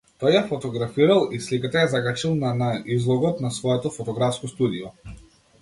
Тој ја фотографирал, и сликата ја закачил на на излогот на своето фотографско студио.